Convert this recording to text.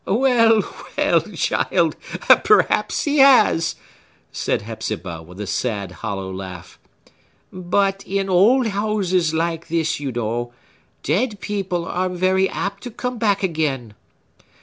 "Well, well, child, perhaps he has!" said Hepzibah with a sad, hollow laugh; "but, in old houses like this, you know, dead people are very apt to come back again!